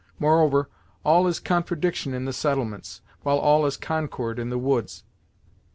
Moreover, all is contradiction in the settlements, while all is concord in the woods.